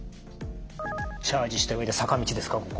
チャージした上で坂道ですかここは。